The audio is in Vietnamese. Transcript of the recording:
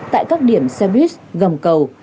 tại các điểm xe buýt gầm cầu